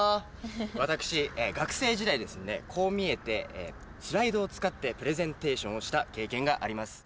私学生時代にですねこう見えてスライドを使ってプレゼンテーションをした経験があります。